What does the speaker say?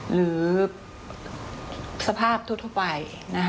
หรือสภาพทุกไป